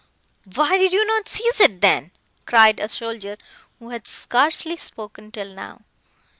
"Why did you not seize it, then?" cried a soldier, who had scarcely spoken till now.